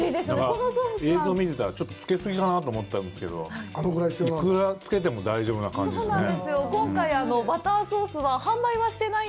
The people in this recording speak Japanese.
映像を見てたら、ちょっとつけ過ぎかなと思ったんですけど、幾らつけても大丈夫な感じですね。